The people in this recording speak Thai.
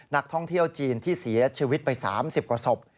นักท่องเที่ยวจีนที่เสียชีวิตไป๓๐กว่าศพ